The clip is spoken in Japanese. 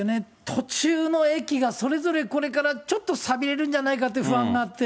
途中の駅がそれぞれ、これからちょっとさびれるんじゃないかという不安があって、